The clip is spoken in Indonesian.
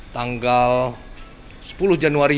tanggal tujuh belas januari dua ribu dua puluh dua